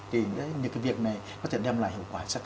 thì những cái việc này có thể đem lại hiệu quả rất là tốt